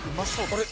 あれ？